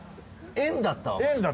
円だったわ。